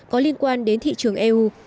có liên quan đến thị trường eu